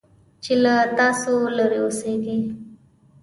چې له تاسو لرې اوسيږي .